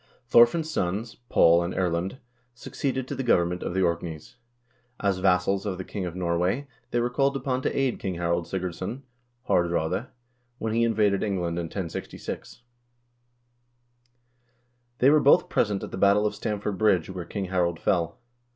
Thorfinn's sons, Paul and Erlend, succeeded to the government of the Orkneys. As vassals of the king of Norway they were called upon to aid King Harald Sigurdsson (Haardraade) when he invaded England in 1066. They were both present at the battle of Stamford Bridge, where King Harald fell.